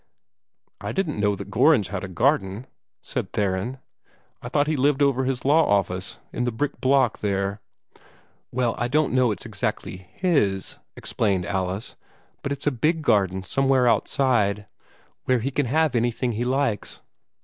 "I didn't know that Gorringe had a garden," said Theron. "I thought he lived over his law office, in the brick block, there." "Well, I don't know that it's exactly HIS," explained Alice; "but it's a big garden somewhere outside, where he can have anything he likes."